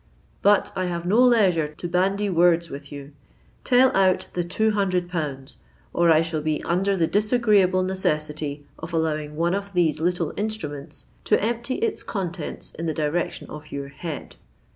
"But I have no leisure to bandy words with you. Tell out the two hundred pounds; or I shall be under the disagreeable necessity of allowing one of these little instruments to empty its contents in the direction of your head."